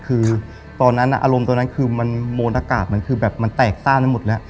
คือตอนนั้นอารมณ์ตอนนั้นคือมันโมนอากาศมันคือแบบมันแตกซ่านไปหมดแล้ว